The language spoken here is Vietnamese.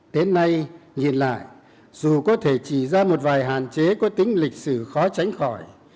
đến nay nhìn lại dù có thể chỉ ra một vài hạn chế có tính lịch sử khó tránh khỏi